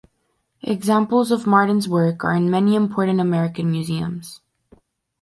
Examples of Martin's work are in many important American museums.